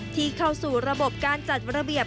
ที่เข้าสู่ระบบการจัดระเบียบ